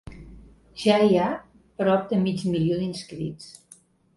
Ja hi ha prop de mig milió d’inscrits.